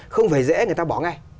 không phải dễ người ta bỏ ngay